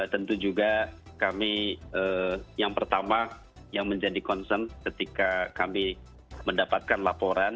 tentu juga kami yang pertama yang menjadi concern ketika kami mendapatkan laporan